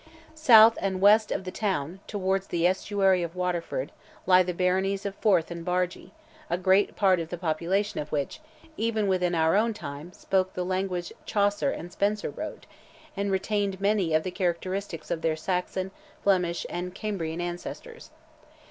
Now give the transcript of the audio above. South and west of the town, towards the estuary of Waterford, lie the baronies of Forth and Bargy, a great part of the population of which, even within our own time, spoke the language Chaucer and Spenser wrote, and retained many of the characteristics of their Saxon, Flemish, and Cambrian ancestors.